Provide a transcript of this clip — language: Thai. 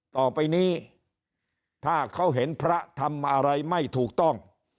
ต่อไปนี้ถ้าเขาเห็นพระทำอะไรไม่ถูกต้อง